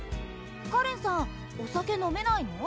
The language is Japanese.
かれんさんお酒飲めないの？